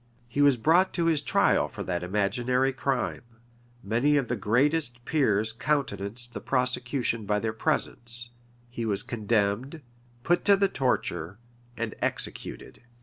He was brought to his trial for that imaginary crime; many of the greatest peers countenanced the prosecution by their presence; he was condemned, put to the torture, and executed.